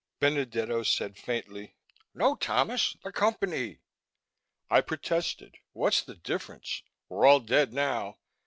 Benedetto said faintly, "No, Thomas! The Company!" I protested, "What's the difference? We're all dead, now.